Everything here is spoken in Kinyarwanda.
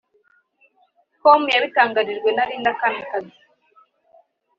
com yabitangarijwe na Linda Kamikazi